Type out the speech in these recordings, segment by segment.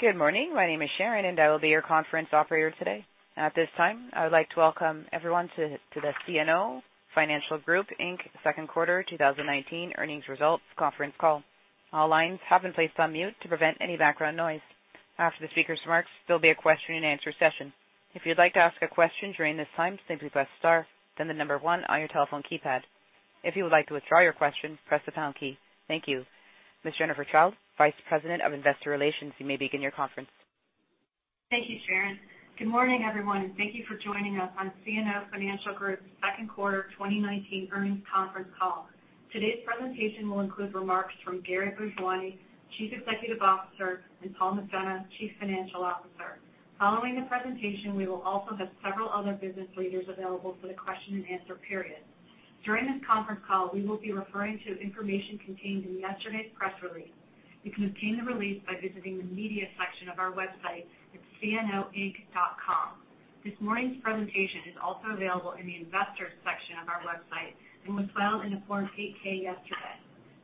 Good morning. My name is Sharon, and I will be your conference operator today. At this time, I would like to welcome everyone to the CNO Financial Group Inc. Second Quarter 2019 Earnings Results Conference Call. All lines have been placed on mute to prevent any background noise. After the speaker's remarks, there'll be a question and answer session. If you'd like to ask a question during this time, simply press star, then the number one on your telephone keypad. If you would like to withdraw your question, press the pound key. Thank you. Ms. Jennifer Childe, Vice President of Investor Relations, you may begin your conference. Thank you, Sharon. Good morning, everyone, and thank you for joining us on CNO Financial Group's Second Quarter 2019 Earnings Conference Call. Today's presentation will include remarks from Gary Bhojwani, Chief Executive Officer, and Paul McDonough, Chief Financial Officer. Following the presentation, we will also have several other business leaders available for the question and answer period. During this conference call, we will be referring to information contained in yesterday's press release. You can obtain the release by visiting the media section of our website at cnoinc.com. This morning's presentation is also available in the investors section of our website and was filed in the Form 8-K yesterday.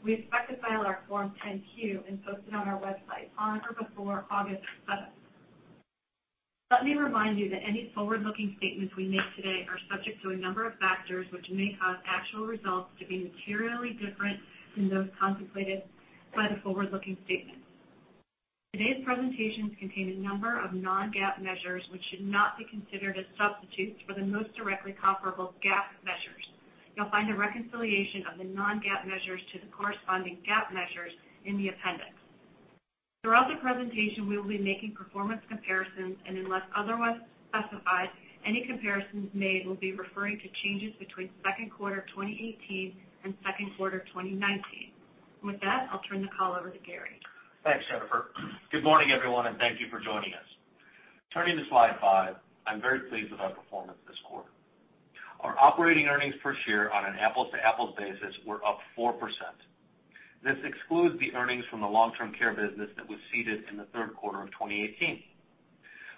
We expect to file our Form 10-Q and post it on our website on or before August 7th. Let me remind you that any forward-looking statements we make today are subject to a number of factors which may cause actual results to be materially different from those contemplated by the forward-looking statements. Today's presentations contain a number of non-GAAP measures which should not be considered as substitutes for the most directly comparable GAAP measures. You'll find a reconciliation of the non-GAAP measures to the corresponding GAAP measures in the appendix. Throughout the presentation, we will be making performance comparisons, and unless otherwise specified, any comparisons made will be referring to changes between second quarter 2018 and second quarter 2019. With that, I'll turn the call over to Gary. Thanks, Jennifer. Good morning, everyone, and thank you for joining us. Turning to slide five, I'm very pleased with our performance this quarter. Our operating earnings per share on an apples-to-apples basis were up 4%. This excludes the earnings from the long-term care business that was ceded in the third quarter of 2018.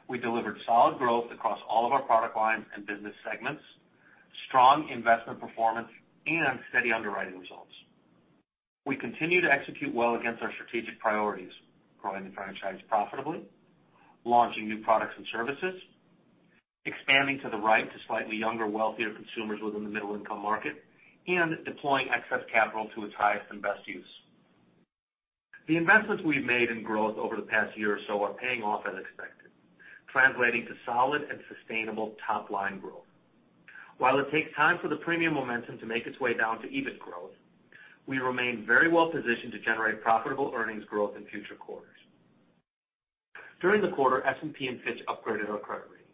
We delivered solid growth across all of our product lines and business segments, strong investment performance, and steady underwriting results. We continue to execute well against our strategic priorities, growing the franchise profitably, launching new products and services, expanding to the right to slightly younger, wealthier consumers within the middle-income market, and deploying excess capital to its highest and best use. The investments we've made in growth over the past year or so are paying off as expected, translating to solid and sustainable top-line growth. While it takes time for the premium momentum to make its way down to EBIT growth, we remain very well positioned to generate profitable earnings growth in future quarters. During the quarter, S&P and Fitch upgraded our credit ratings.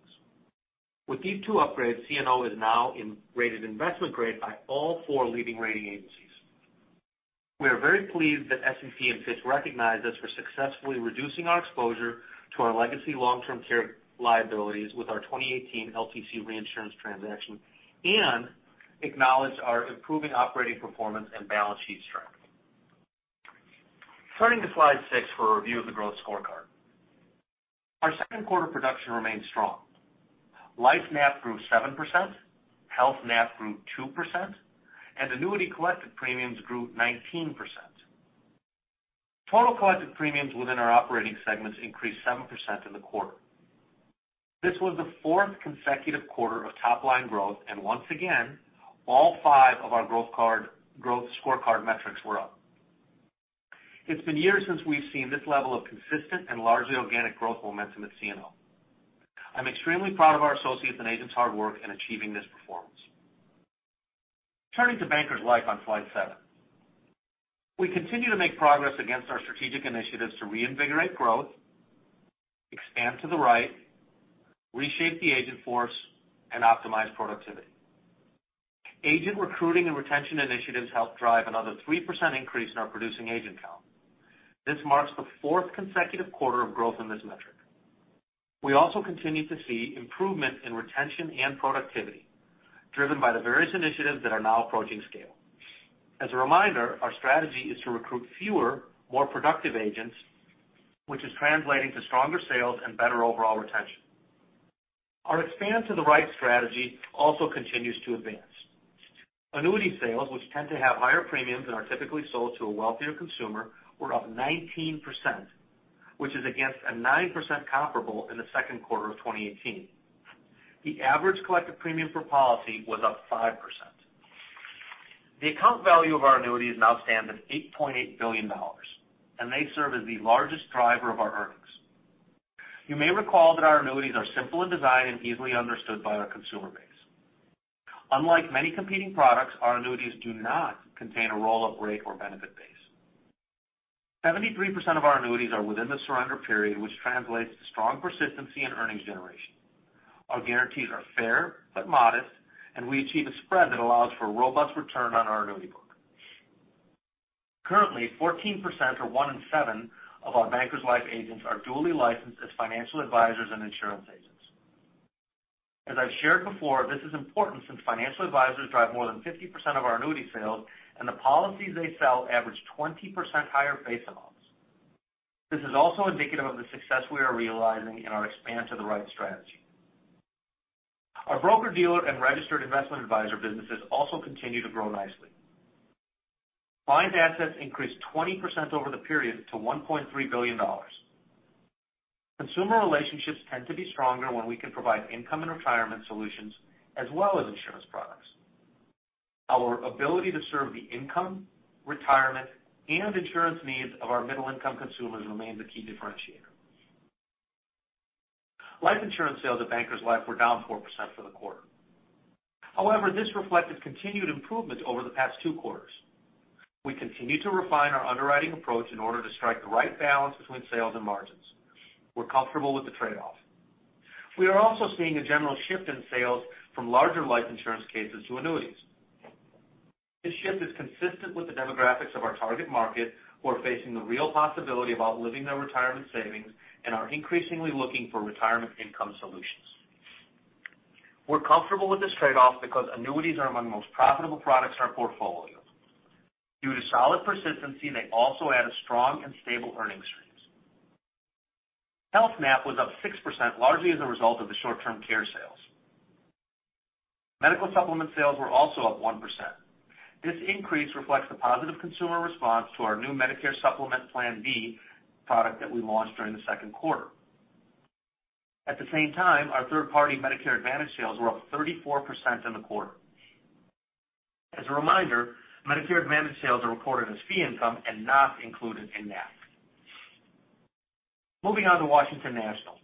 With these two upgrades, CNO is now rated investment grade by all four leading rating agencies. We are very pleased that S&P and Fitch recognized us for successfully reducing our exposure to our legacy long-term care liabilities with our 2018 LTC reinsurance transaction and acknowledge our improving operating performance and balance sheet strength. Turning to slide six for a review of the growth scorecard. Our second quarter production remained strong. Life NAP grew 7%, health NAP grew 2%, and annuity collected premiums grew 19%. Total collected premiums within our operating segments increased 7% in the quarter. This was the fourth consecutive quarter of top-line growth, and once again, all five of our growth scorecard metrics were up. It's been years since we've seen this level of consistent and largely organic growth momentum at CNO. I'm extremely proud of our associates and agents' hard work in achieving this performance. Turning to Bankers Life on slide seven. We continue to make progress against our strategic initiatives to reinvigorate growth, expand to the right, reshape the agent force, and optimize productivity. Agent recruiting and retention initiatives helped drive another 3% increase in our producing agent count. This marks the fourth consecutive quarter of growth in this metric. We also continue to see improvement in retention and productivity driven by the various initiatives that are now approaching scale. As a reminder, our strategy is to recruit fewer, more productive agents, which is translating to stronger sales and better overall retention. Our expand to the right strategy also continues to advance. Annuity sales, which tend to have higher premiums and are typically sold to a wealthier consumer, were up 19%, which is against a 9% comparable in the second quarter of 2018. The average collected premium per policy was up 5%. The account value of our annuities now stands at $8.8 billion, and they serve as the largest driver of our earnings. You may recall that our annuities are simple in design and easily understood by our consumer base. Unlike many competing products, our annuities do not contain a roll-up rate or benefit base. 73% of our annuities are within the surrender period, which translates to strong persistency and earnings generation. Our guarantees are fair but modest, and we achieve a spread that allows for robust return on our annuity book. Currently, 14%, or one in seven, of our Bankers Life agents are duly licensed as financial advisors and insurance agents. As I've shared before, this is important since financial advisors drive more than 50% of our annuity sales, and the policies they sell average 20% higher face amounts. This is also indicative of the success we are realizing in our expand to the right strategy. Our broker-dealer and registered investment advisor businesses also continue to grow nicely. Client assets increased 20% over the period to $1.3 billion. Consumer relationships tend to be stronger when we can provide income and retirement solutions, as well as insurance products. Our ability to serve the income, retirement, and insurance needs of our middle-income consumers remains a key differentiator. Life insurance sales at Bankers Life were down 4% for the quarter. However, this reflected continued improvement over the past two quarters. We continue to refine our underwriting approach in order to strike the right balance between sales and margins. We're comfortable with the trade-off. We are also seeing a general shift in sales from larger life insurance cases to annuities. This shift is consistent with the demographics of our target market who are facing the real possibility of outliving their retirement savings and are increasingly looking for retirement income solutions. We're comfortable with this trade-off because annuities are among the most profitable products in our portfolio. Due to solid persistency, they also add strong and stable earnings streams. Health NAP was up 6%, largely as a result of the short-term care sales. Medicare Supplement sales were also up 1%. This increase reflects the positive consumer response to our new Medicare Supplement Plan B product that we launched during the second quarter. At the same time, our third-party Medicare Advantage sales were up 34% in the quarter. As a reminder, Medicare Advantage sales are recorded as fee income and not included in NAP. Moving on to Washington National.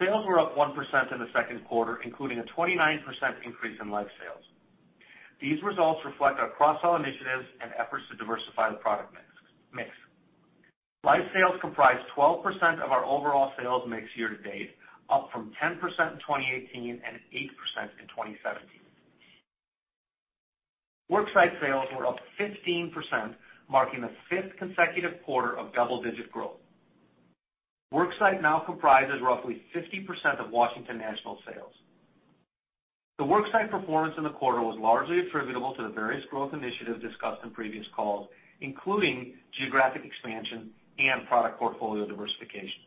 Sales were up 1% in the second quarter, including a 29% increase in life sales. These results reflect our cross-sell initiatives and efforts to diversify the product mix. Life sales comprise 12% of our overall sales mix year to date, up from 10% in 2018 and 8% in 2017. Worksite sales were up 15%, marking the fifth consecutive quarter of double-digit growth. Worksite now comprises roughly 50% of Washington National sales. The worksite performance in the quarter was largely attributable to the various growth initiatives discussed in previous calls, including geographic expansion and product portfolio diversification.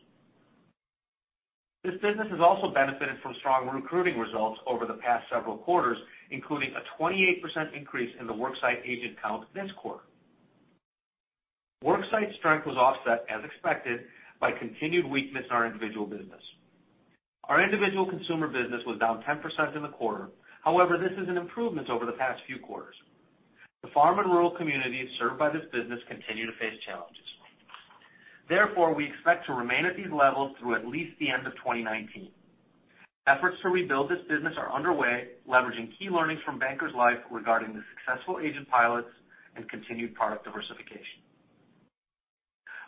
This business has also benefited from strong recruiting results over the past several quarters, including a 28% increase in the worksite agent count this quarter. Worksite strength was offset, as expected, by continued weakness in our individual business. Our individual consumer business was down 10% in the quarter. This is an improvement over the past few quarters. The farm and rural communities served by this business continue to face challenges. We expect to remain at these levels through at least the end of 2019. Efforts to rebuild this business are underway, leveraging key learnings from Bankers Life regarding the successful agent pilots and continued product diversification.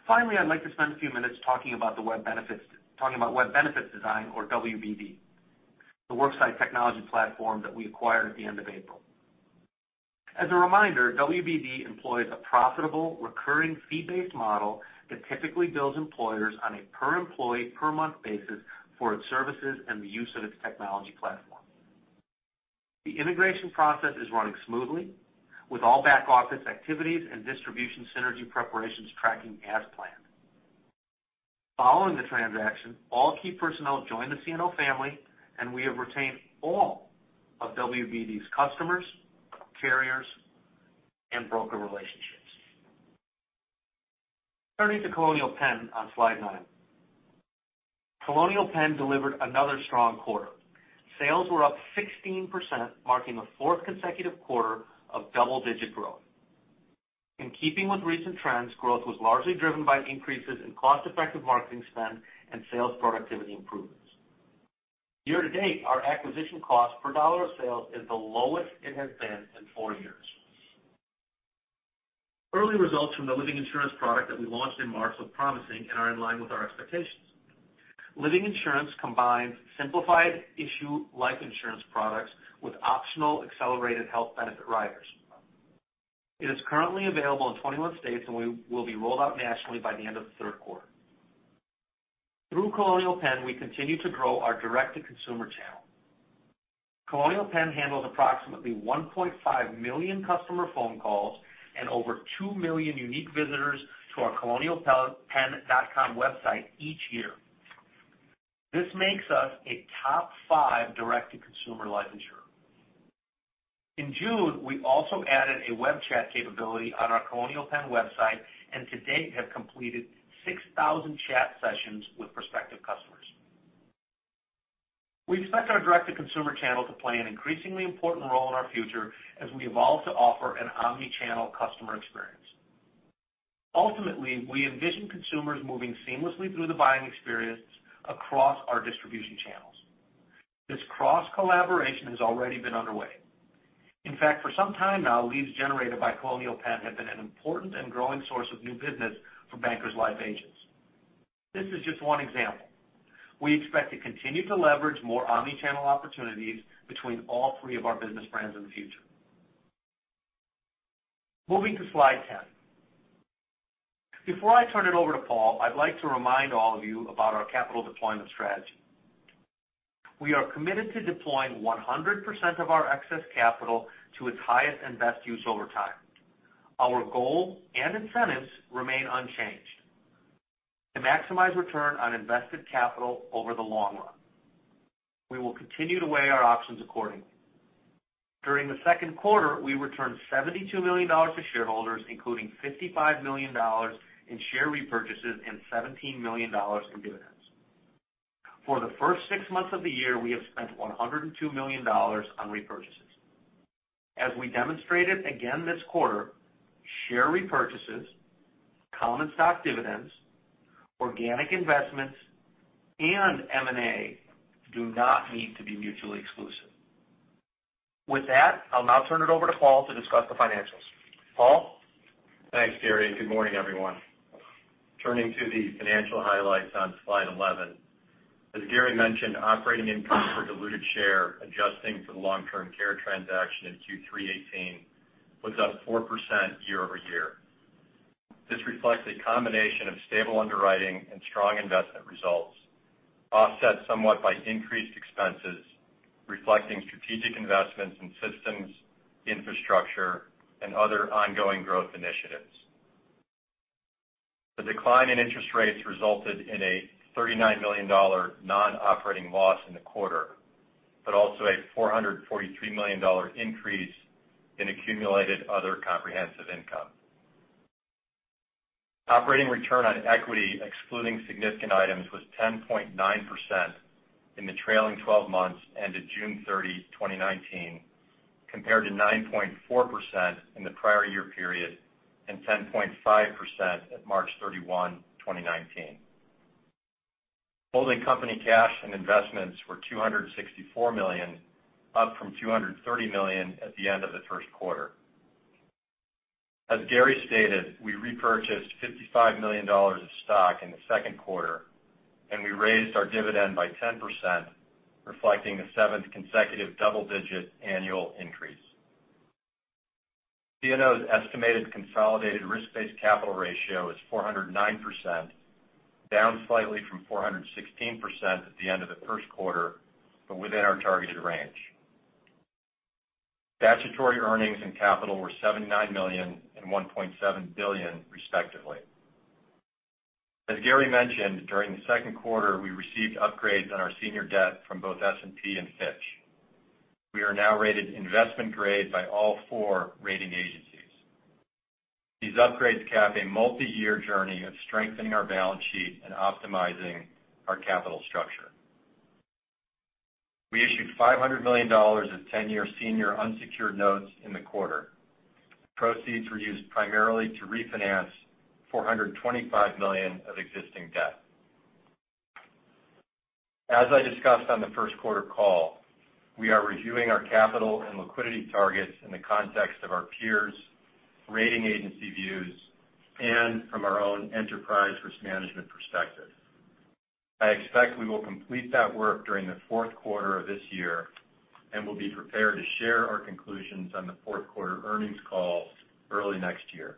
I'd like to spend a few minutes talking about Web Benefits Design, or WBD, the worksite technology platform that we acquired at the end of April. As a reminder, WBD employs a profitable, recurring fee-based model that typically bills employers on a per-employee, per-month basis for its services and the use of its technology platform. The integration process is running smoothly with all back-office activities and distribution synergy preparations tracking as planned. Following the transaction, all key personnel joined the CNO family, and we have retained all of WBD's customers, carriers, and broker relationships. Turning to Colonial Penn on slide 9. Colonial Penn delivered another strong quarter. Sales were up 16%, marking the fourth consecutive quarter of double-digit growth. In keeping with recent trends, growth was largely driven by increases in cost-effective marketing spend and sales productivity improvements. Year to date, our acquisition cost per dollar of sales is the lowest it has been in four years. Early results from the Living Insurance product that we launched in March look promising and are in line with our expectations. Living Insurance combines simplified issue life insurance products with optional accelerated health benefit riders. It is currently available in 21 states and will be rolled out nationally by the end of the third quarter. Through Colonial Penn, we continue to grow our direct-to-consumer channel. Colonial Penn handles approximately 1.5 million customer phone calls and over 2 million unique visitors to our colonialpenn.com website each year. This makes us a top five direct-to-consumer life insurer. In June, we also added a web chat capability on our Colonial Penn website, and to date, have completed 6,000 chat sessions with prospective customers. We expect our direct-to-consumer channel to play an increasingly important role in our future as we evolve to offer an omni-channel customer experience. Ultimately, we envision consumers moving seamlessly through the buying experience across our distribution channels. This cross-collaboration has already been underway. In fact, for some time now, leads generated by Colonial Penn have been an important and growing source of new business for Bankers Life agents. This is just one example. We expect to continue to leverage more omni-channel opportunities between all three of our business brands in the future. Moving to slide 10. Before I turn it over to Paul, I'd like to remind all of you about our capital deployment strategy. We are committed to deploying 100% of our excess capital to its highest and best use over time. Our goal and incentives remain unchanged. To maximize return on invested capital over the long run. We will continue to weigh our options accordingly. During the second quarter, we returned $72 million to shareholders, including $55 million in share repurchases and $17 million in dividends. For the first six months of the year, we have spent $102 million on repurchases. As we demonstrated again this quarter, share repurchases, common stock dividends, organic investments, and M&A do not need to be mutually exclusive. With that, I'll now turn it over to Paul to discuss the financials. Paul? Thanks, Gary, and good morning, everyone. Turning to the financial highlights on slide 11. As Gary mentioned, operating income per diluted share, adjusting for the long-term care transaction in Q3 2018, was up 4% year-over-year. This reflects a combination of stable underwriting and strong investment results, offset somewhat by increased expenses reflecting strategic investments in systems, infrastructure, and other ongoing growth initiatives. The decline in interest rates resulted in a $39 million non-operating loss in the quarter, but also a $443 million increase in accumulated other comprehensive income. Operating return on equity, excluding significant items, was 10.9% in the trailing 12 months ended June 30, 2019, compared to 9.4% in the prior year period, and 10.5% at March 31, 2019. Holding company cash and investments were $264 million, up from $230 million at the end of the first quarter. As Gary stated, we repurchased $55 million of stock in the second quarter, we raised our dividend by 10%, reflecting the seventh consecutive double-digit annual increase. CNO's estimated consolidated risk-based capital ratio is 409%, down slightly from 416% at the end of the first quarter, but within our targeted range. Statutory earnings and capital were $79 million and $1.7 billion respectively. As Gary mentioned, during the second quarter, we received upgrades on our senior debt from both S&P and Fitch. We are now rated investment grade by all four rating agencies. These upgrades cap a multiyear journey of strengthening our balance sheet and optimizing our capital structure. We issued $500 million of 10-year senior unsecured notes in the quarter. Proceeds were used primarily to refinance $425 million of existing debt. As I discussed on the first quarter call, we are reviewing our capital and liquidity targets in the context of our peers, rating agency views, and from our own enterprise risk management perspective. I expect we will complete that work during the fourth quarter of this year, we'll be prepared to share our conclusions on the fourth quarter earnings call early next year.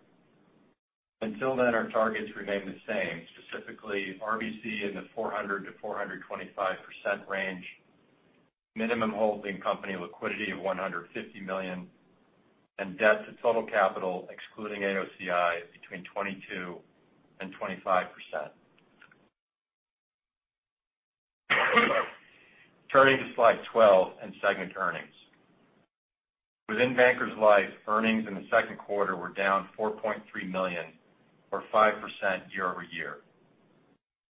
Until then, our targets remain the same, specifically RBC in the 400%-425% range, minimum holding company liquidity of $150 million, debt to total capital excluding AOCI between 22% and 25%. Turning to slide 12 and segment earnings. Within Bankers Life, earnings in the second quarter were down $4.3 million or 5% year-over-year.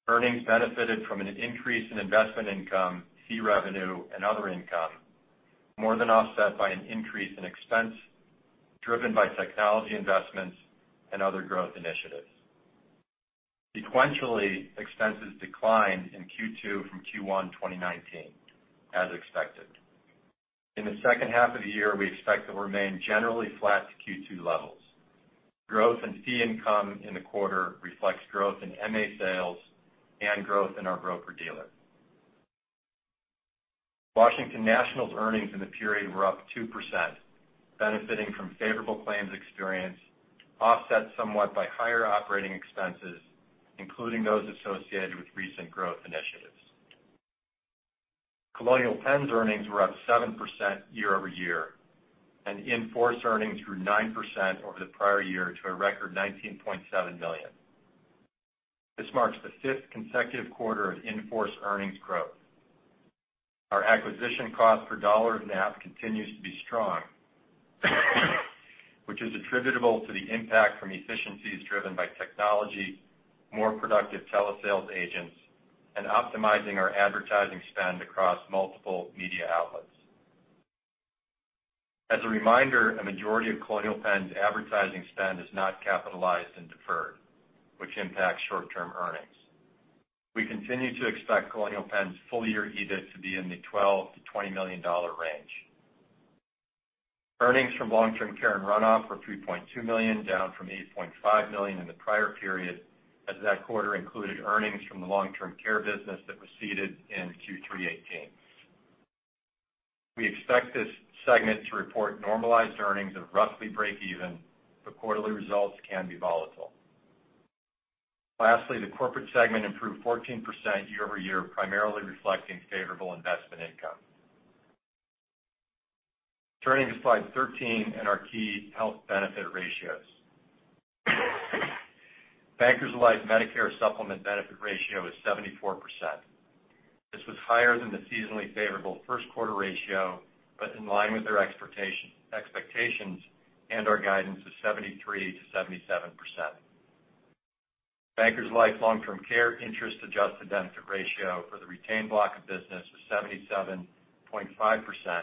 Earnings benefited from an increase in investment income, fee revenue, and other income more than offset by an increase in expense driven by technology investments and other growth initiatives. Sequentially, expenses declined in Q2 from Q1 2019 as expected. In the second half of the year, we expect to remain generally flat to Q2 levels. Growth and fee income in the quarter reflects growth in MA sales and growth in our broker-dealer. Washington National's earnings in the period were up 2%, benefiting from favorable claims experience, offset somewhat by higher operating expenses, including those associated with recent growth initiatives. Colonial Penn's earnings were up 7% year-over-year, in-force earnings grew 9% over the prior year to a record $19.7 million. This marks the fifth consecutive quarter of in-force earnings growth. Our acquisition cost per dollar of NAP continues to be strong, which is attributable to the impact from efficiencies driven by technology, more productive telesales agents, and optimizing our advertising spend across multiple media outlets. As a reminder, a majority of Colonial Penn's advertising spend is not capitalized and deferred, which impacts short-term earnings. We continue to expect Colonial Penn's full-year EBIT to be in the $12 million-$20 million range. Earnings from long-term care and runoff were $3.2 million, down from $8.5 million in the prior period, as that quarter included earnings from the long-term care business that was ceded in Q3 2018. We expect this segment to report normalized earnings of roughly break even, quarterly results can be volatile. Lastly, the corporate segment improved 14% year-over-year, primarily reflecting favorable investment income. Turning to slide 13 and our key health benefit ratios. Bankers Life Medicare Supplement benefit ratio is 74%. This was higher than the seasonally favorable first quarter ratio, but in line with our expectations and our guidance of 73%-77%. Bankers Life long-term care interest-adjusted benefit ratio for the retained block of business was 77.5%,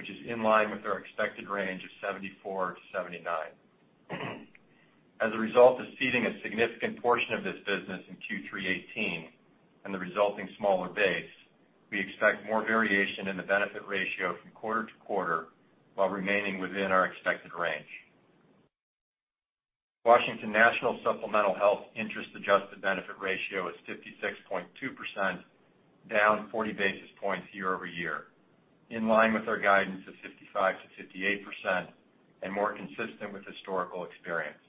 which is in line with our expected range of 74%-79%. As a result of ceding a significant portion of this business in Q3 2018 and the resulting smaller base, we expect more variation in the benefit ratio from quarter to quarter while remaining within our expected range. Washington National Supplemental Health interest-adjusted benefit ratio is 56.2%, down 40 basis points year-over-year, in line with our guidance of 55%-58% and more consistent with historical experience.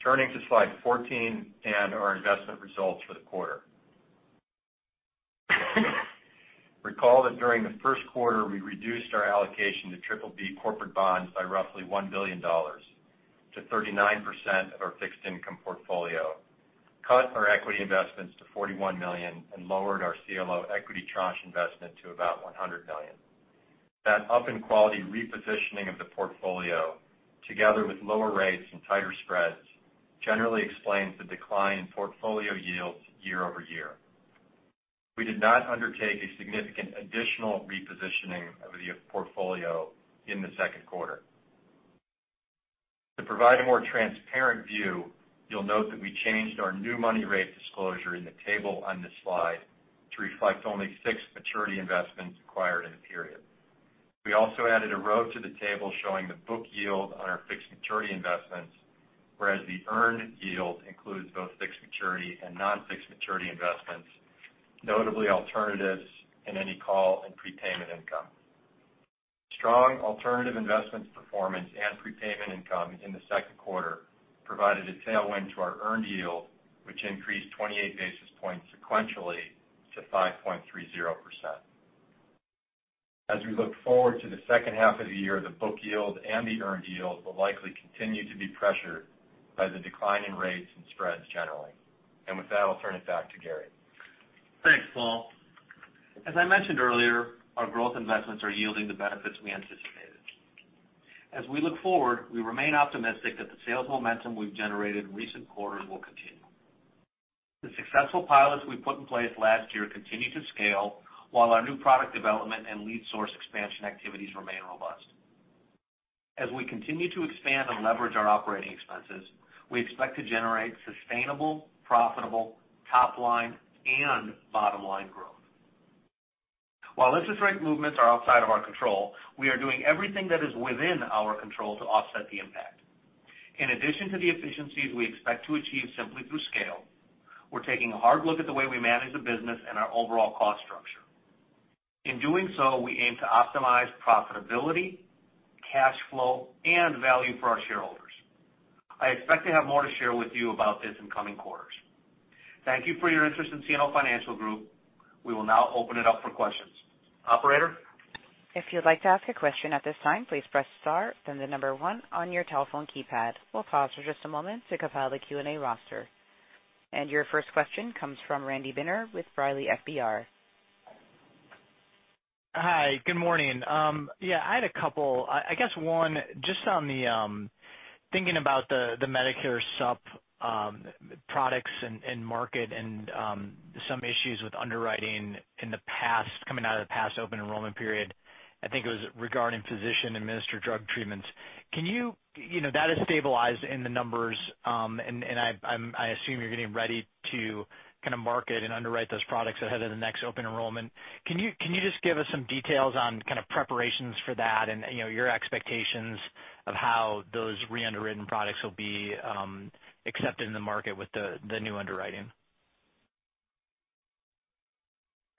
Turning to slide 14 and our investment results for the quarter. Recall that during the first quarter, we reduced our allocation to BBB corporate bonds by roughly $1 billion to 39% of our fixed income portfolio, cut our equity investments to $41 million, and lowered our CLO equity tranche investment to about $100 million. That up-in-quality repositioning of the portfolio, together with lower rates and tighter spreads, generally explains the decline in portfolio yields year-over-year. We did not undertake a significant additional repositioning of the portfolio in the second quarter. To provide a more transparent view, you'll note that we changed our new money rate disclosure in the table on this slide to reflect only fixed maturity investments acquired in the period. We also added a row to the table showing the book yield on our fixed maturity investments, whereas the earned yield includes both fixed maturity and non-fixed maturity investments, notably alternatives in any call and prepayment income. Strong alternative investments performance and prepayment income in the second quarter provided a tailwind to our earned yield, which increased 28 basis points sequentially to 5.30%. As we look forward to the second half of the year, the book yield and the earned yield will likely continue to be pressured by the decline in rates and spreads generally. With that, I'll turn it back to Gary. Thanks, Paul. As I mentioned earlier, our growth investments are yielding the benefits we anticipated. As we look forward, we remain optimistic that the sales momentum we've generated in recent quarters will continue. The successful pilots we put in place last year continue to scale, while our new product development and lead source expansion activities remain robust. As we continue to expand and leverage our operating expenses, we expect to generate sustainable, profitable, top-line and bottom-line growth. While interest rate movements are outside of our control, we are doing everything that is within our control to offset the impact. In addition to the efficiencies we expect to achieve simply through scale, we're taking a hard look at the way we manage the business and our overall cost structure. In doing so, we aim to optimize profitability, cash flow, and value for our shareholders. I expect to have more to share with you about this in coming quarters. Thank you for your interest in CNO Financial Group. We will now open it up for questions. Operator? If you'd like to ask a question at this time, please press star then the number 1 on your telephone keypad. We'll pause for just a moment to compile the Q&A roster. Your first question comes from Randy Binner with B. Riley FBR. Hi. Good morning. I had a couple. I guess one, just on the thinking about the Medicare sup products and market and some issues with underwriting in the past, coming out of the past open enrollment period. I think it was regarding physician-administered drug treatments. That has stabilized in the numbers, and I assume you're getting ready to market and underwrite those products ahead of the next open enrollment. Can you just give us some details on preparations for that and your expectations of how those re-underwritten products will be accepted in the market with the new underwriting?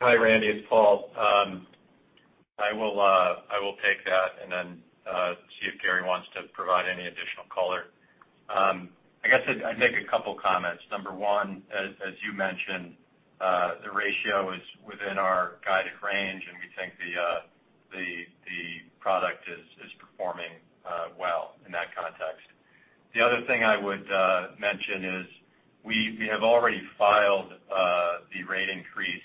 Hi, Randy. It's Paul. I will take that and then see if Gary wants to provide any additional color. I guess I'd make a couple comments. Number 1, as you mentioned, the ratio is within our guided range, and we think the product is performing well in that context. The other thing I would mention is we have already filed the rate increase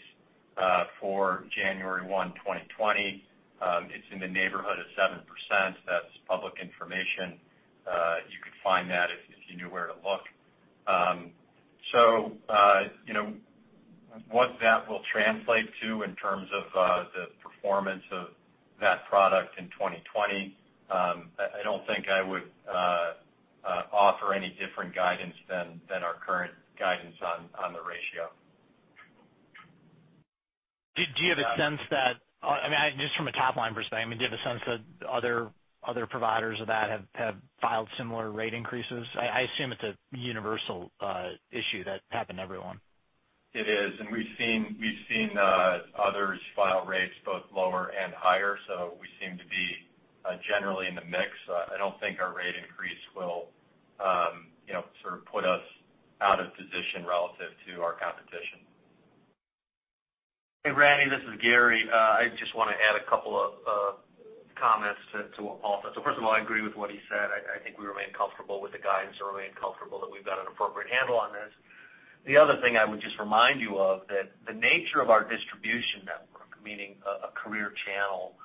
for January 1, 2020. It's in the neighborhood of 7%. That's public information. You could find that if you knew where to look. What that will translate to in terms of the performance of that product in 2020, I don't think I would offer any different guidance than our current guidance on the ratio. Do you have a sense that, just from a top-line perspective, do you have a sense that other providers of that have filed similar rate increases? I assume it's a universal issue that's happened to everyone. It is, we've seen others file rates both lower and higher. We seem to be generally in the mix. I don't think our rate increase will put us out of position relative to our competition. Hey, Randy, this is Gary. I just want to add a couple of comments to what Paul said. First of all, I agree with what he said. I think we remain comfortable with the guidance and remain comfortable that we've got an appropriate handle on this. The other thing I would just remind you of, that the nature of our distribution network, meaning a career channel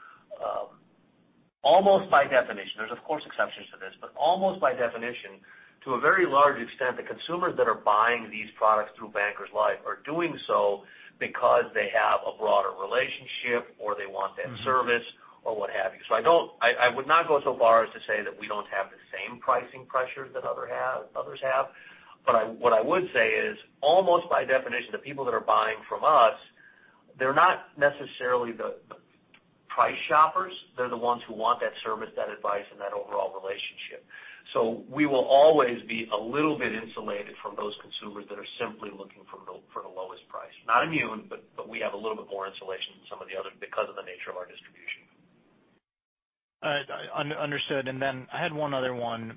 almost by definition, there's of course exceptions to this, but almost by definition, to a very large extent, the consumers that are buying these products through Bankers Life are doing so because they have a broader relationship or they want that service or what have you. I would not go so far as to say that we don't have the same pricing pressures that others have. What I would say is almost by definition, the people that are buying from us, they're not necessarily the price shoppers. They're the ones who want that service, that advice, and that overall relationship. We will always be a little bit insulated from those consumers that are simply looking for the lowest price. Not immune, but we have a little bit more insulation than some of the others because of the nature of our distribution. All right. Understood. I had one other one.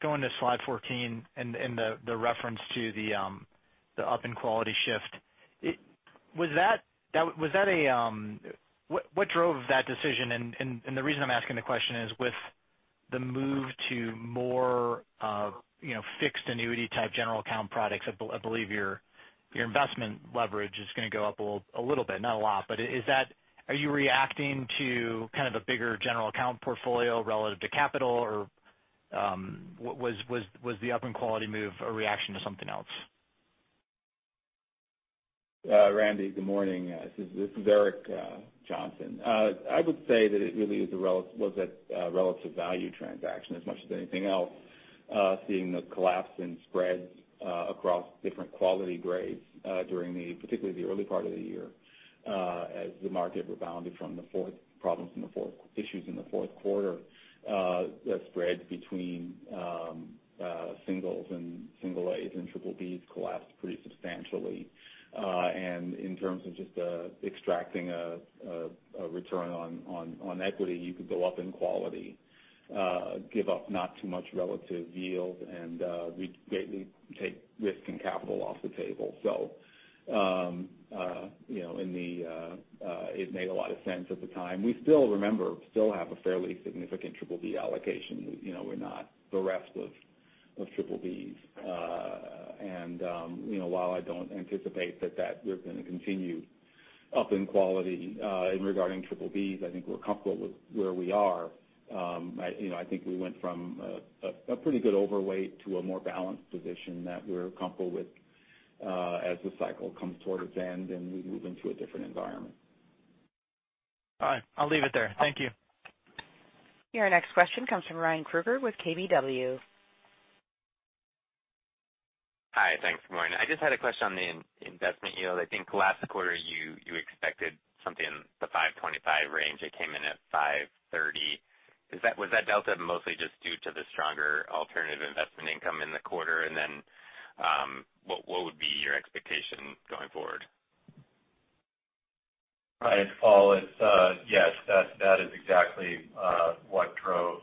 Going to slide 14 and the reference to the up in quality shift. What drove that decision? The reason I'm asking the question is with the move to more fixed annuity-type general account products, I believe your investment leverage is going to go up a little bit, not a lot. Are you reacting to kind of a bigger general account portfolio relative to capital? Or was the up in quality move a reaction to something else? Randy, good morning. This is Eric Johnson. I would say that it really was a relative value transaction as much as anything else, seeing the collapse in spreads across different quality grades during particularly the early part of the year as the market rebounded from the issues in the fourth quarter that spread between singles and single A and BBB collapsed pretty substantially. In terms of just extracting a return on equity, you could go up in quality, give up not too much relative yield, and we take risk and capital off the table. It made a lot of sense at the time. Remember, we still have a fairly significant BBB allocation. We're not bereft of BBBs. While I don't anticipate that we're going to continue up in quality in regarding BBBs, I think we're comfortable with where we are. I think we went from a pretty good overweight to a more balanced position that we're comfortable with as the cycle comes towards end and we move into a different environment. All right. I'll leave it there. Thank you. Your next question comes from Ryan Krueger with KBW. Hi. Thanks. Good morning. I just had a question on the investment yield. I think last quarter you expected something in the 525 range. It came in at 530. Was that delta mostly just due to the stronger alternative investment income in the quarter? What would be your expectation going forward? Hi, it's Paul. Yes, that is exactly what drove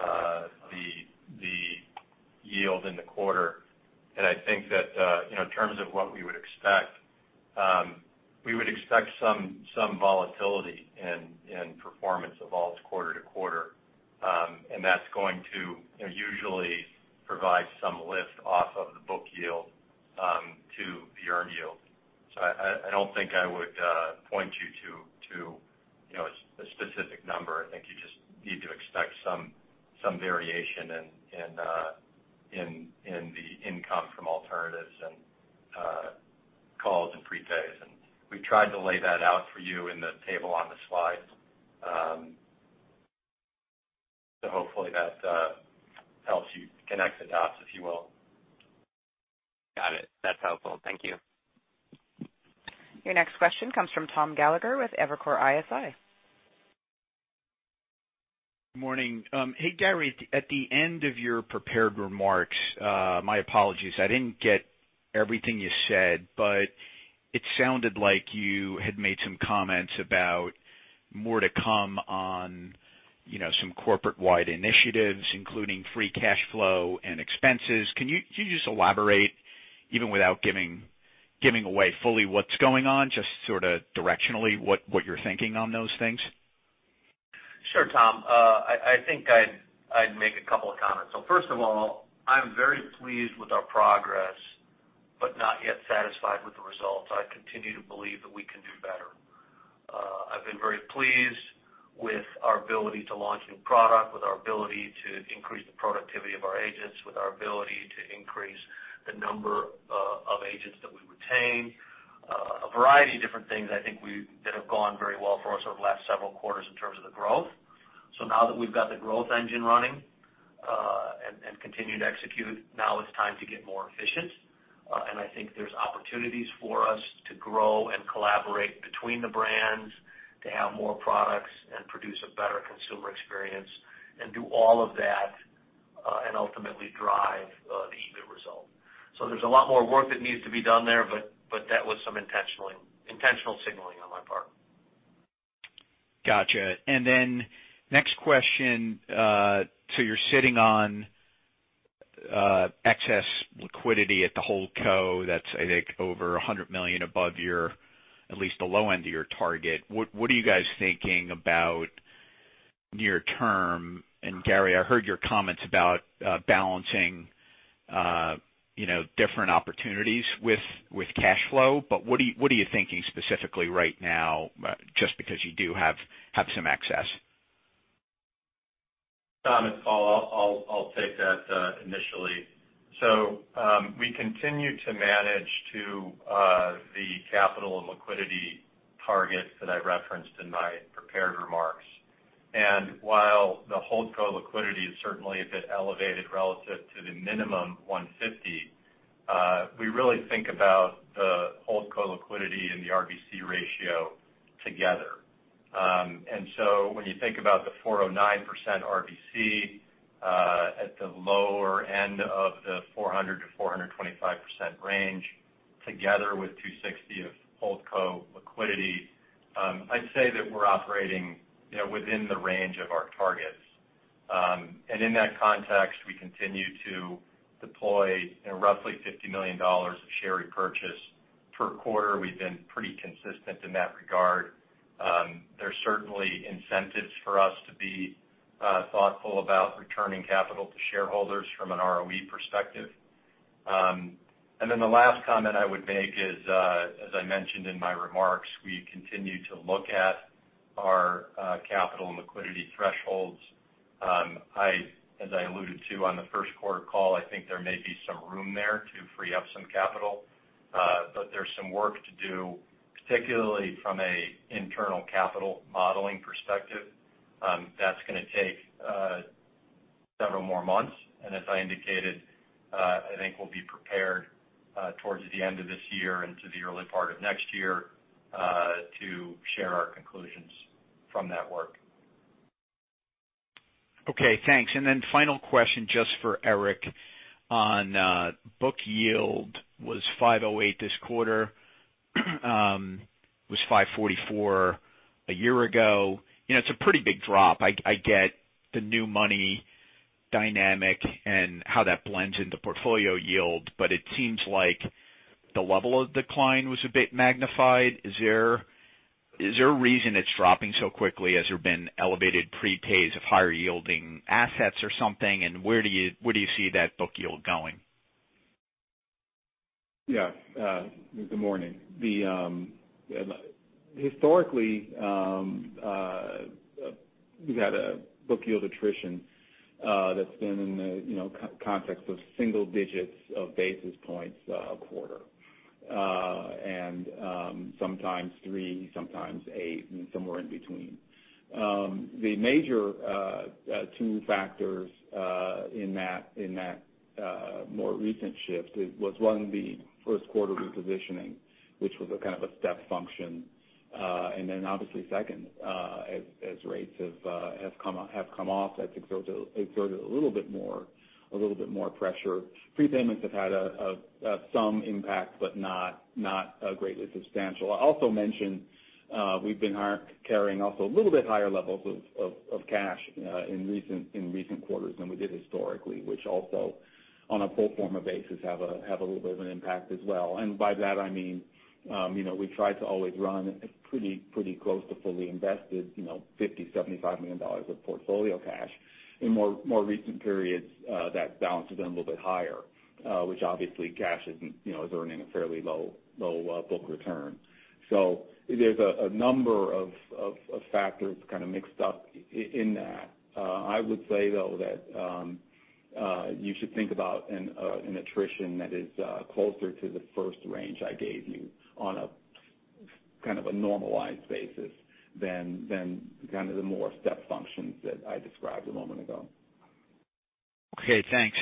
the yield in the quarter. I think that in terms of what we would expect, we would expect some volatility in performance of alts quarter to quarter. That's going to usually provide some lift off of the book yield to the earn yield. I don't think I would point you to a specific number. I think you just need to expect some variation in the income from alternatives and calls and prepays. We've tried to lay that out for you in the table on the slide. Hopefully that helps you connect the dots, if you will. Got it. That's helpful. Thank you. Your next question comes from Thomas Gallagher with Evercore ISI. Good morning. Hey, Gary, at the end of your prepared remarks, my apologies, I didn't get everything you said, but it sounded like you had made some comments about more to come on some corporate-wide initiatives, including free cash flow and expenses. Can you just elaborate, even without giving away fully what's going on, just sort of directionally what you're thinking on those things? Sure, Tom. I think I'd make a couple of comments. First of all, I'm very pleased with our progress, but not yet satisfied with the results. I continue to believe that we can do better. I've been very pleased with our ability to launch new product, with our ability to increase the productivity of our agents, with our ability to increase the number of agents that we retain. A variety of different things that have gone very well for us over the last several quarters in terms of the growth. Now that we've got the growth engine running and continue to execute, now it's time to get more efficient. I think there's opportunities for us to grow and collaborate between the brands to have more products and produce a better consumer experience and do all of that. There's a lot more work that needs to be done there, but that was some intentional signaling on my part. Got you. Next question. You're sitting on excess liquidity at the hold co that's, I think, over $100 million above your, at least the low end of your target. What are you guys thinking about near term? Gary, I heard your comments about balancing different opportunities with cash flow, what are you thinking specifically right now just because you do have some excess? Tom, it's Paul. I'll take that initially. We continue to manage to the capital and liquidity targets that I referenced in my prepared remarks. While the hold co liquidity is certainly a bit elevated relative to the minimum $150, we really think about the hold co liquidity and the RBC ratio together. When you think about the 409% RBC at the lower end of the 400%-425% range, together with $260 of hold co liquidity, I'd say that we're operating within the range of our targets. In that context, we continue to deploy roughly $50 million of share repurchase per quarter. We've been pretty consistent in that regard. There's certainly incentives for us to be thoughtful about returning capital to shareholders from an ROE perspective. The last comment I would make is, as I mentioned in my remarks, we continue to look at our capital and liquidity thresholds. As I alluded to on the first quarter call, I think there may be some room there to free up some capital. There's some work to do, particularly from an internal capital modeling perspective. That's going to take several more months. As I indicated, I think we'll be prepared towards the end of this year into the early part of next year to share our conclusions from that work. Okay, thanks. Final question, just for Eric. On book yield was 508 this quarter. It was 544 a year ago. It's a pretty big drop. I get the new money dynamic and how that blends into portfolio yield, it seems like the level of decline was a bit magnified. Is there a reason it's dropping so quickly? Has there been elevated prepays of higher yielding assets or something, where do you see that book yield going? Yeah. Good morning. Historically, we've had a book yield attrition that's been in the context of single digits of basis points a quarter. Sometimes three, sometimes eight, and somewhere in between. The major two factors in that more recent shift was, one, the first quarter repositioning, which was a kind of a step function. Then obviously second, as rates have come off, I think those exerted a little bit more pressure. Prepayments have had some impact, but not greatly substantial. I'll also mention we've been carrying also a little bit higher levels of cash in recent quarters than we did historically, which also on a pro forma basis have a little bit of an impact as well. By that I mean we try to always run pretty close to fully invested, $50 million, $75 million of portfolio cash. In more recent periods, that balance has been a little bit higher, which obviously cash is earning a fairly low book return. There's a number of factors kind of mixed up in that. I would say, though, that you should think about an attrition that is closer to the first range I gave you on kind of a normalized basis than kind of the more step functions that I described a moment ago. Okay, thanks.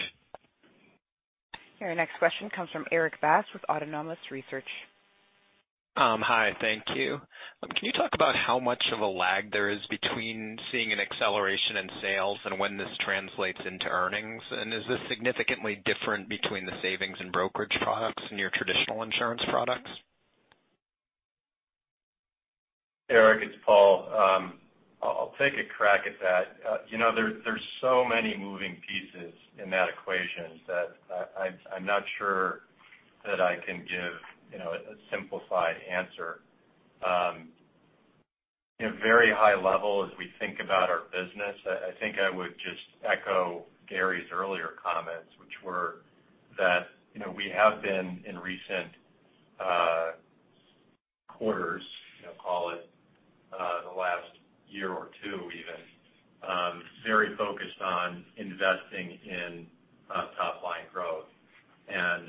Your next question comes from Erik Bass with Autonomous Research. Hi, thank you. Can you talk about how much of a lag there is between seeing an acceleration in sales and when this translates into earnings? Is this significantly different between the savings and brokerage products and your traditional insurance products? Erik, it's Paul. I'll take a crack at that. There's so many moving pieces in that equation that I'm not sure that I can give a simplified answer. At a very high level as we think about our business, I think I would just echo Gary's earlier comments, which were that we have been in recent quarters, call it the last year or two even, very focused on investing in top-line growth. As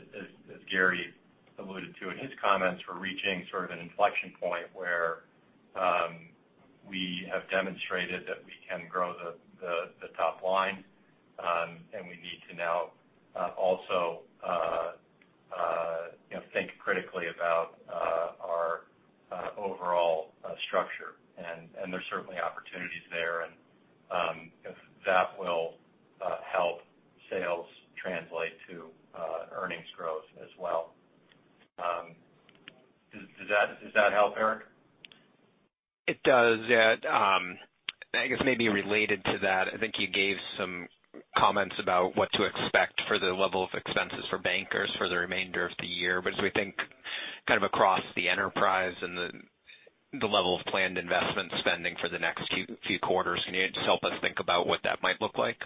Gary alluded to in his comments, we're reaching sort of an inflection point where we have demonstrated that we can grow the top line, and we need to now also think critically about overall structure. There's certainly opportunities there, and if that will help sales translate to earnings growth as well. Does that help, Erik? It does, yeah. I guess maybe related to that, I think you gave some comments about what to expect for the level of expenses for Bankers Life for the remainder of the year. As we think kind of across the enterprise and the level of planned investment spending for the next few quarters, can you just help us think about what that might look like?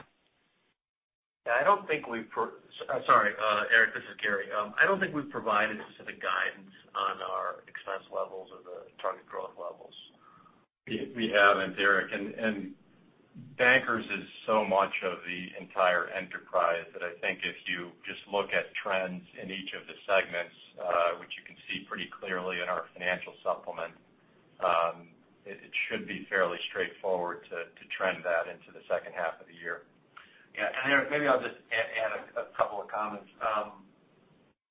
Yeah. Sorry Erik, this is Gary. I don't think we've provided specific guidance on our expense levels or the target growth levels. We haven't, Erik. Bankers Life is so much of the entire enterprise that I think if you just look at trends in each of the segments, which you can see pretty clearly in our financial supplement, it should be fairly straightforward to trend that into the second half of the year. Yeah. Erik, maybe I'll just add a couple of comments.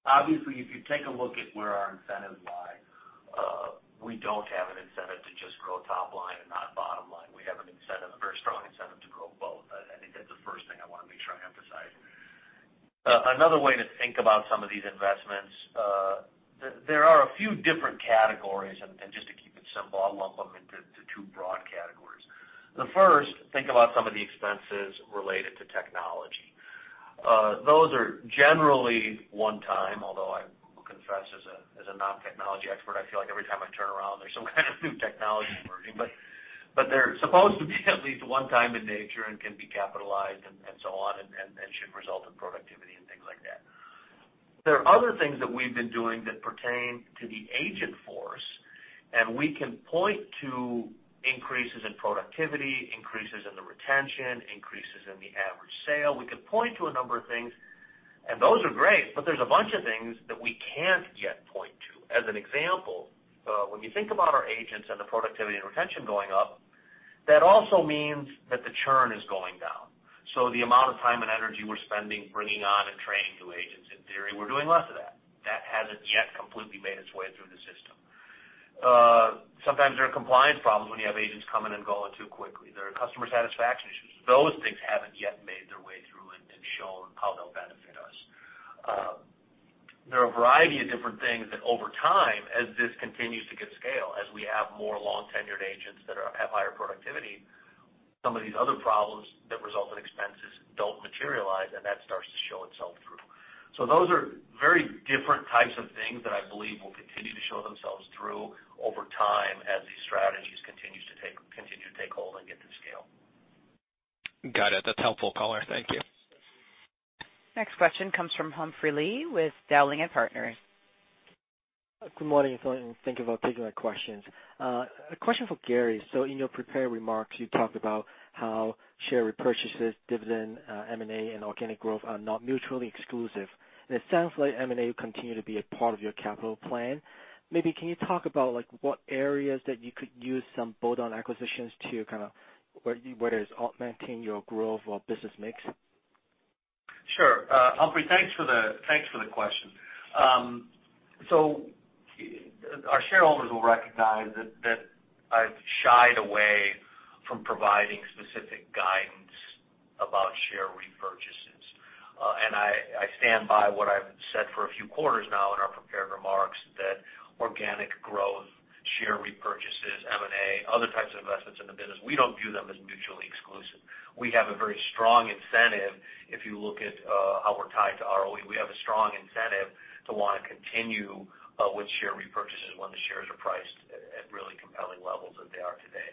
Obviously, if you take a look at where our incentives lie, we don't have an incentive to just grow top line and not bottom line. We have a very strong incentive to grow both. I think that's the first thing I want to make sure I emphasize. Another way to think about some of these investments, there are a few different categories, just to keep it simple, I'll lump them into 2 broad categories. The first, think about some of the expenses related to technology. Those are generally one time, although I will confess, as a non-technology expert, I feel like every time I turn around, there's some kind of new technology emerging. They're supposed to be at least one time in nature and can be capitalized and so on, should result in productivity and things like that. There are other things that we've been doing that pertain to the agent force, we can point to increases in productivity, increases in the retention, increases in the average sale. We can point to a number of things, those are great, but there's a bunch of things that we can't yet point to. As an example, when you think about our agents and the productivity and retention going up, that also means that the churn is going down. The amount of time and energy we're spending bringing on and training new agents, in theory, we're doing less of that. That hasn't yet completely made its way through the system. Sometimes there are compliance problems when you have agents coming and going too quickly. There are customer satisfaction issues. Those things haven't yet made their way through and shown how they'll benefit us. There are a variety of different things that over time, as this continues to get scale, as we have more long-tenured agents that have higher productivity, some of these other problems that result in expenses don't materialize, that starts to show itself through. Those are very different types of things that I believe will continue to show themselves through over time as these strategies continue to take hold and get to scale. Got it. That's helpful, color. Thank you. Next question comes from Humphrey Lee with Dowling & Partners. Good morning, thank you for taking my questions. A question for Gary. In your prepared remarks, you talked about how share repurchases, dividend, M&A, and organic growth are not mutually exclusive. It sounds like M&A will continue to be a part of your capital plan. Maybe can you talk about what areas that you could use some bolt-on acquisitions to kind of, whether it's augmenting your growth or business mix? Sure. Humphrey, thanks for the question. Our shareholders will recognize that I've shied away from providing specific guidance about share repurchases. I stand by what I've said for a few quarters now in our prepared remarks that organic growth, share repurchases, M&A, other types of investments in the business, we don't view them as mutually exclusive. We have a very strong incentive if you look at how we're tied to ROE. We have a strong incentive to want to continue with share repurchases when the shares are priced at really compelling levels as they are today.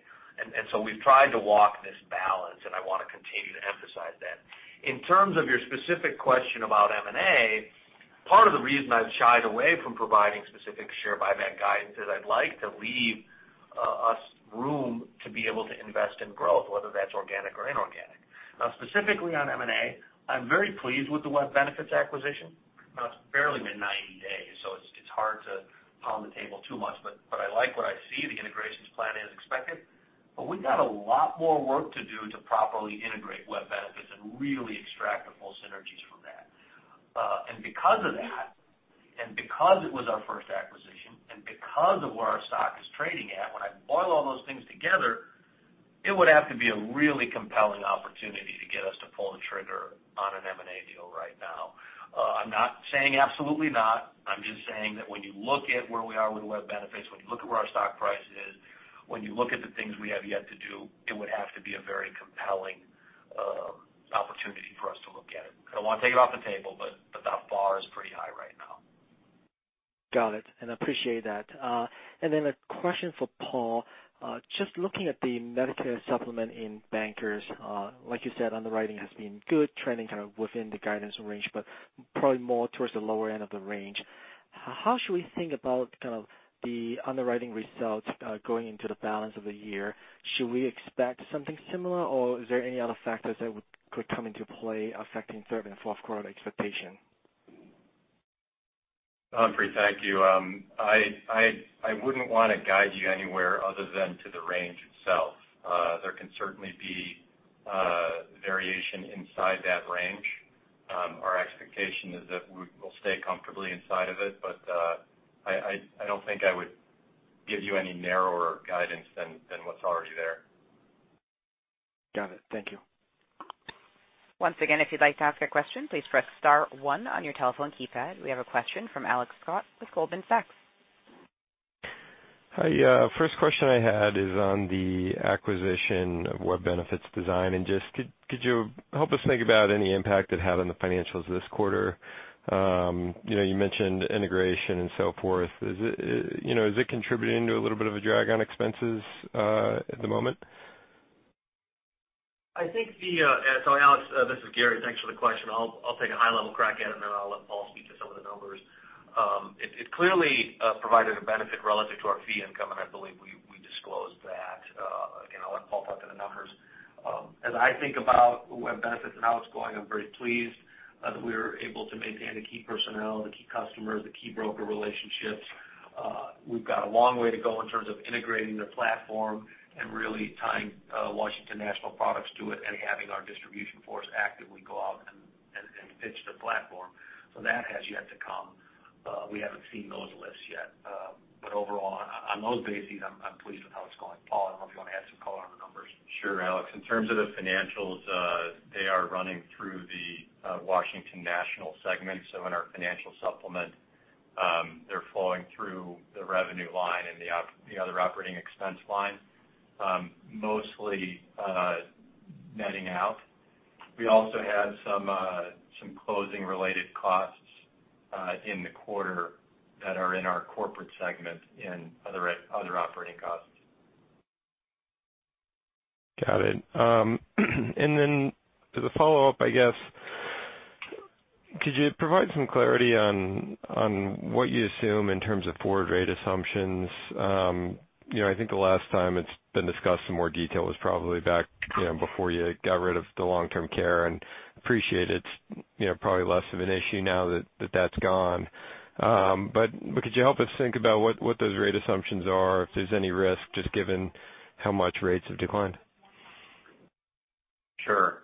We've tried to walk this balance, and I want to continue to emphasize that. In terms of your specific question about M&A, part of the reason I've shied away from providing specific share buyback guidance is I'd like to leave us room to be able to invest in growth, whether that's organic or inorganic. Specifically on M&A, I'm very pleased with the Web Benefits acquisition. It's barely been 90 days, so it's hard to pound the table too much, but I like what I see. The integration's planning as expected. We've got a lot more work to do to properly integrate Web Benefits and really extract the full synergies from that. Because of that, and because it was our first acquisition, and because of where our stock is trading at, when I boil all those things together, it would have to be a really compelling opportunity to get us to pull the trigger on an M&A deal right now. I'm not saying absolutely not. I'm just saying that when you look at where we are with Web Benefits, when you look at where our stock price is, when you look at the things we have yet to do, it would have to be a very compelling opportunity for us to look at it. I don't want to take it off the table, but that bar is pretty high right now. Got it, appreciate that. A question for Paul. Just looking at the Medicare Supplement in Bankers. Like you said, underwriting has been good, trending kind of within the guidance range, but probably more towards the lower end of the range. How should we think about kind of the underwriting results going into the balance of the year? Should we expect something similar, or are there any other factors that could come into play affecting third and fourth quarter expectation? Humphrey, thank you. I wouldn't want to guide you anywhere other than to the range itself. There can certainly be variation inside that range. Our expectation is that we will stay comfortably inside of it, but I don't think I would give you any narrower guidance than what's already there. Got it. Thank you. Once again, if you'd like to ask a question, please press star one on your telephone keypad. We have a question from Alex Scott with Goldman Sachs. Hi, first question I had is on the acquisition of Web Benefits Design. Just could you help us think about any impact it had on the financials this quarter? You mentioned integration and so forth. Is it contributing to a little bit of a drag on expenses at the moment? Sorry, Alex, this is Gary. Thanks for the question. I'll take a high-level crack at it. Then I'll let Paul speak to some of the numbers. It clearly provided a benefit relative to our fee income. I believe we disclosed that. Again, I'll let Paul talk to the numbers. As I think about Web Benefits and how it's going, I'm very pleased that we were able to maintain the key personnel, the key customers, the key broker relationships. We've got a long way to go in terms of integrating the platform and really tying Washington National products to it and having our distribution force actively go out and pitch the platform. That has yet to come. We haven't seen those lifts yet. Overall, on those bases, I'm pleased with how it's going. Paul, I don't know if you want to add some color on the numbers. Sure, Alex. In terms of the financials, they are running through the Washington National segment. In our financial supplement, they are flowing through the revenue line and the other operating expense line, mostly netting out. We also had some closing-related costs in the quarter that are in our corporate segment in other operating costs. Got it. As a follow-up, I guess, could you provide some clarity on what you assume in terms of forward rate assumptions? I think the last time it's been discussed in more detail was probably back before you got rid of the long-term care, and appreciate it's probably less of an issue now that that's gone. Could you help us think about what those rate assumptions are, if there's any risk, just given how much rates have declined? Sure.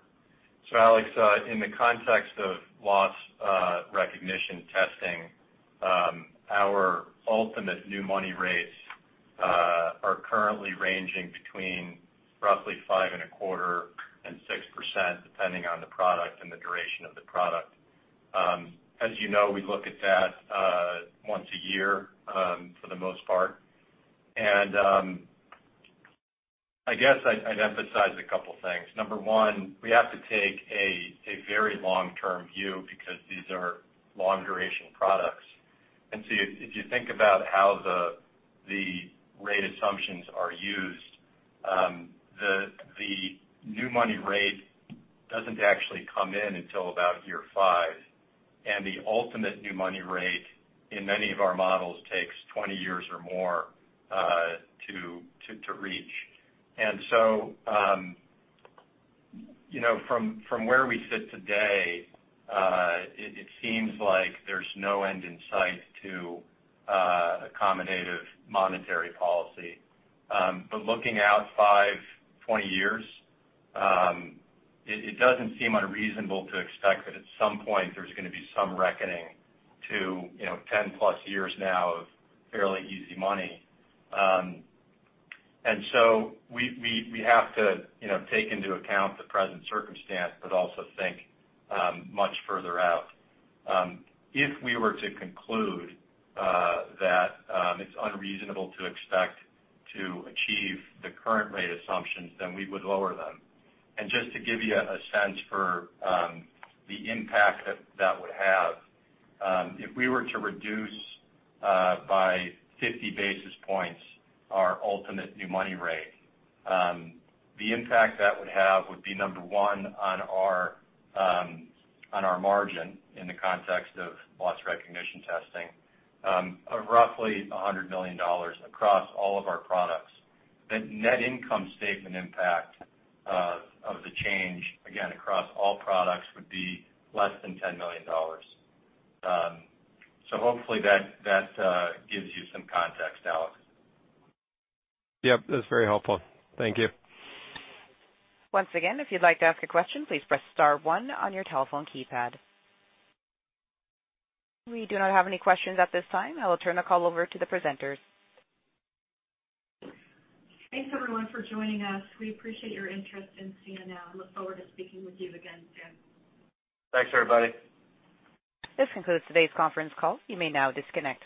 Alex, in the context of loss recognition testing, our ultimate new money rates are currently ranging between roughly five and a quarter and 6%, depending on the product and the duration of the product. As you know, we look at that once a year for the most part. I guess I'd emphasize a couple things. Number one, we have to take a very long-term view because these are long-duration products. If you think about how the rate assumptions are used, the new money rate doesn't actually come in until about year five. The ultimate new money rate in many of our models takes 20 years or more to reach. From where we sit today, it seems like there's no end in sight to accommodative monetary policy. Looking out five, 20 years, it doesn't seem unreasonable to expect that at some point, there's going to be some reckoning to 10-plus years now of fairly easy money. We have to take into account the present circumstance, but also think much further out. If we were to conclude that it's unreasonable to expect to achieve the current rate assumptions, then we would lower them. Just to give you a sense for the impact that that would have, if we were to reduce by 50 basis points our ultimate new money rate, the impact that would have would be, number one on our margin in the context of loss recognition testing, of roughly $100 million across all of our products. The net income statement impact of the change, again, across all products, would be less than $10 million. Hopefully that gives you some context, Alex. Yep. That's very helpful. Thank you. Once again, if you'd like to ask a question, please press star one on your telephone keypad. We do not have any questions at this time. I will turn the call over to the presenters. Thanks, everyone, for joining us. We appreciate your interest in CNO and look forward to speaking with you again soon. Thanks, everybody. This concludes today's conference call. You may now disconnect.